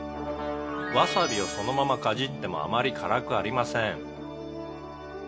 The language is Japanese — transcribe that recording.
「わさびをそのままかじってもあまり辛くありません」